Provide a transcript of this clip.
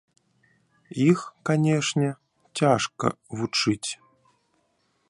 Іх, канешне, цяжка вучыць.